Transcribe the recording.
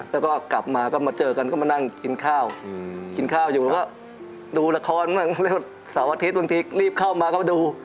แล้วก็กลับมาก็มาเจอกันก็มานั่งกินข้าวดูละครสาวอาทิตย์บางทีรีบเข้ามาก็ดู